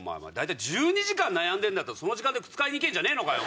１２時間悩んでたらその時間で靴買いに行けんじゃねえのかよ。